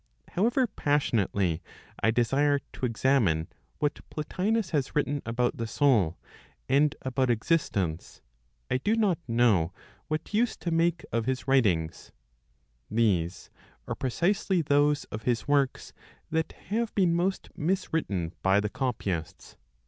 However passionately I desire to examine what Plotinos has written about the soul, and about existence, I do not know what use to make of his writings; these are precisely those of his works that have been most mis written by the copyists.